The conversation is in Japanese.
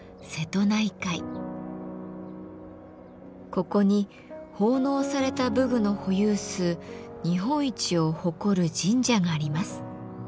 ここに奉納された武具の保有数日本一を誇る神社があります。